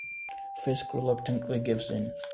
Fiske reluctantly gives in.